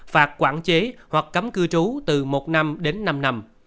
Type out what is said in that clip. phạt quản chế hoặc cấm cư trú từ một năm đến năm năm